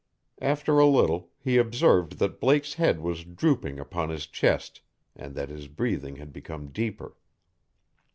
After a little he observed that Blake's head was drooping upon his chest, and that his breathing had become deeper.